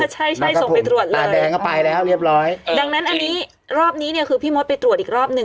ใช่ส่งไปตรวจเลยดังนั้นอันนี้รอบนี้เนี่ยคือพี่มดไปตรวจอีกรอบนึง